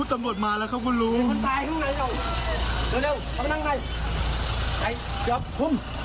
ตายหนึ่งครับคุณลูก